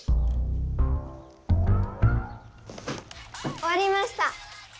おわりました。